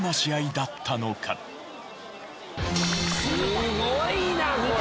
すごいなこれ！